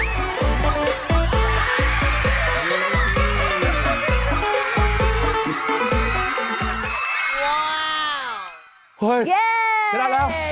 เย้ชนะแล้ว